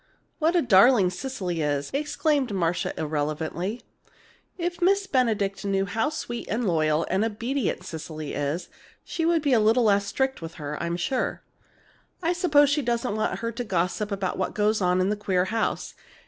"What a darling Cecily is!" exclaimed Marcia, irrelevantly. "If Miss Benedict knew how sweet and loyal and obedient Cecily is, she'd be a little less strict with her, I'm sure. I suppose she doesn't want her to gossip about what goes on in that queer house.